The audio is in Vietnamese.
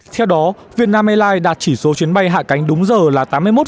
theo đó việt nam airlines đạt chỉ số chuyến bay hạ cánh đúng giờ là tám mươi một tám mươi năm